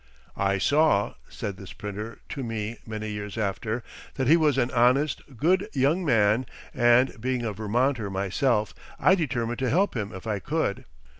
"I saw," said this printer to me many years after, "that he was an honest, good young man, and, being a Vermonter myself, I determined to help him if I could."